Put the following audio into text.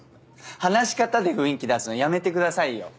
話し方で雰囲気出すのやめてくださいよ。